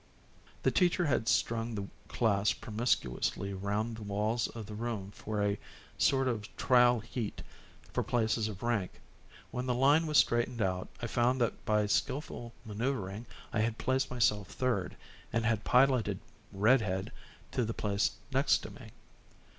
The teacher had strung the class promiscuously around the walls of the room for a sort of trial heat for places of rank; when the line was straightened out, I found that by skillful maneuvering I had placed myself third and had piloted "Red Head" to the place next to me.